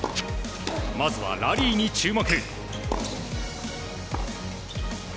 まずはラリーに注目。